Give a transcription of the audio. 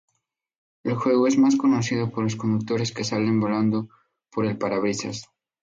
El juego es más conocido por los conductores que salen volando por el parabrisas.